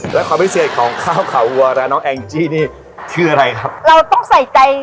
เฮ้ยน้องเจ้าจะบอกว่า